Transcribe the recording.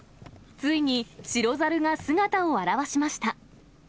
ついに、白猿が姿を現しました。